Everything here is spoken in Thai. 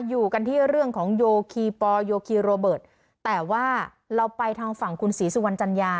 อยู่กันที่เรื่องของโยคีปอลโยคีโรเบิร์ตแต่ว่าเราไปทางฝั่งคุณศรีสุวรรณจัญญา